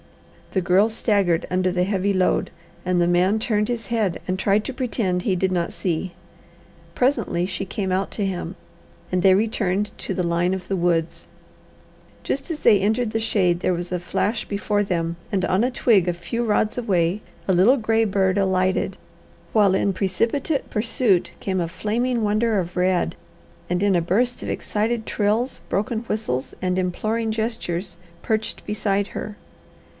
The Girl staggered under the heavy load, and the man turned his head and tried to pretend he did not see. Presently she came out to him, and they returned to the line of the woods. Just as they entered the shade there was a flash before them, and on a twig a few rods away a little gray bird alighted, while in precipitate pursuit came a flaming wonder of red, and in a burst of excited trills, broken whistles, and imploring gestures, perched beside her.